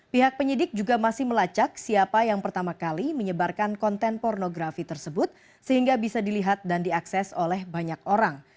pihak penyidik juga masih melacak siapa yang pertama kali menyebarkan konten pornografi tersebut sehingga bisa dilihat dan diakses oleh banyak orang